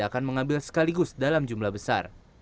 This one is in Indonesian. dan tidak akan mengambil sekaligus dalam jumlah besar